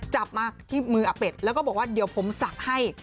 จับมาที่มืออาเป็ดแล้วก็บอกว่าเดี๋ยวผมศักดิ์ให้